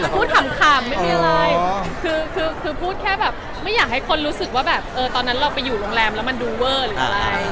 ขำไม่มีอะไรคือพูดแค่แบบไม่อยากให้คนรู้สึกว่าแบบตอนนั้นเราไปอยู่โรงแรมแล้วมันดูเวอร์หรืออะไร